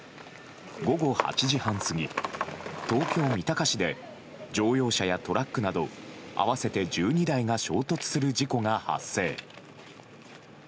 午後８時半過ぎ東京・三鷹市で乗用車やトラックなど合わせて１２台が衝突する事故が発生。